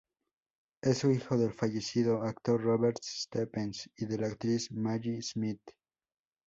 Es hijo del fallecido actor Robert Stephens y de la actriz Maggie Smith.